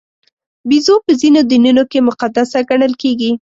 بیزو په ځینو دینونو کې مقدس ګڼل کېږي.